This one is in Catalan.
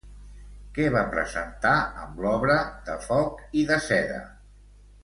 Què va presentar amb l'obra De foc i de seda?